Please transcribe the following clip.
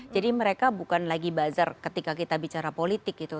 jadi mereka bukan lagi buzzer ketika kita bicara politik gitu